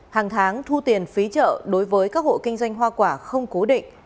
hàng tháng thu tiền phí chợ đối với các hộ kinh doanh hoa quả không cố định